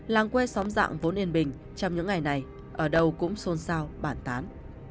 làng quê xóm dạng vốn yên bình trong những ngày này ở đâu cũng xôn xao bản tán